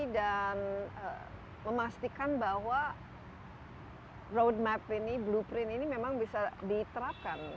dan memastikan bahwa road map ini blueprint ini memang bisa di terapkan